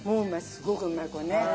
すごくうまいこれね。